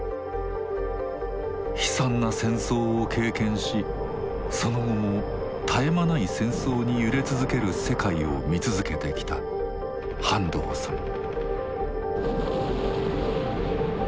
悲惨な戦争を経験しその後も絶え間ない戦争に揺れ続ける世界を見続けてきた半藤さん。